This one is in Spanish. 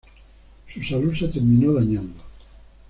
Su salud se terminó dañando.